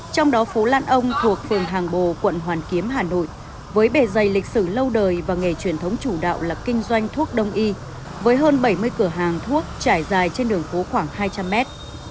trong đó phố lan ông thuộc phường hàng bồ quận hoàn kiếm hà nội với bề dày lịch sử lâu đời và nghề truyền thống chủ đạo là kinh doanh thuốc đông y với hơn bảy mươi cửa hàng thuốc trải dài trên đường phố khoảng hai trăm linh mét